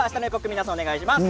皆さんお願いします。